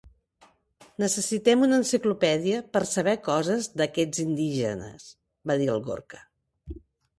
Necessitem una enciclopèdia per saber coses d'aquests indígenes — va dir el Gorka—.